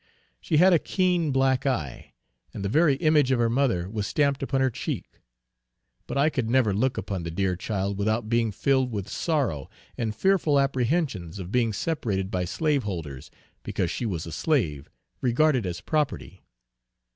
She had a keen black eye, and the very image of her mother was stamped upon her cheek; but I could never look upon the dear child without being filled with sorrow and fearful apprehensions, of being separated by slaveholders, because she was a slave, regarded as property.